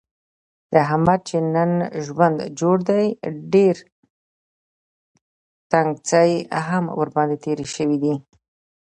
د احمد چې نن ژوند جوړ دی، ډېر تنګڅۍ هم ورباندې تېرې شوي دي.